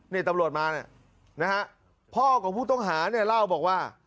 นี่ตำรวจมาเนี่ยนะฮะพ่อกับผู้ต้องหาเนี่ยเล่าบอกว่า